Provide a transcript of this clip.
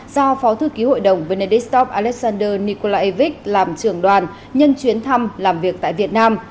do phó thư ký hội đồng venedictop alexander nikolaevic làm trưởng đoàn nhân chuyến thăm làm việc tại việt nam